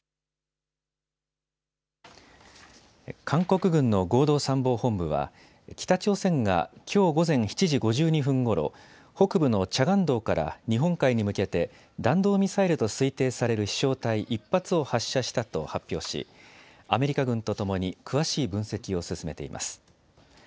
韓国軍の合同参謀本部は北朝鮮がきょう午前７時５２分ごろ、北部のチャガン道から、日本海に向けて弾道ミサイルと推定される飛しょう体１発を発射したと発表しアメリカ軍とともに詳しい分析を進めています。